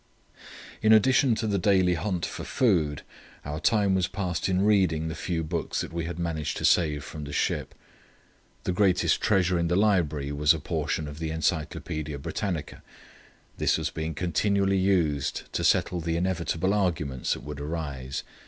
In addition to the daily hunt for food, our time was passed in reading the few books that we had managed to save from the ship. The greatest treasure in the library was a portion of the "Encyclopædia Britannica." This was being continually used to settle the inevitable arguments that would arise.